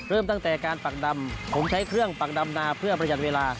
เริ่มตั้งแต่การปักดำผมใช้เครื่องปักดำนาเพื่อประหยัดเวลา